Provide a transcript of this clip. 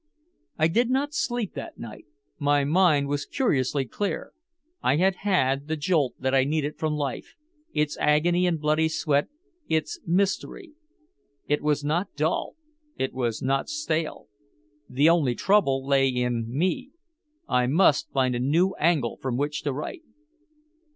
I did not sleep that night. My mind was curiously clear. I had had the jolt that I needed from life its agony and bloody sweat, its mystery. It was not dull, it was not stale. The only trouble lay in me. I must find a new angle from which to write.